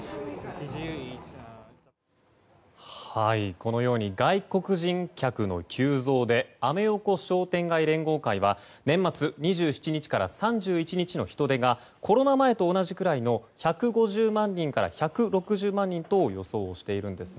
このように外国人客の急増でアメ横商店街連合会は年末、２７日から３１日の人出がコロナ前と同じくらいの１５０万人から１６０万人と予想しているんです。